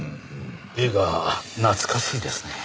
絵が懐かしいですね。